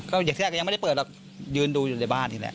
ก็อย่างแรกก็ยังไม่ได้เปิดหรอกยืนดูอยู่ในบ้านนี่แหละ